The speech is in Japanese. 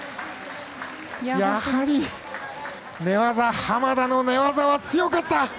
やはり濱田の寝技は強かった。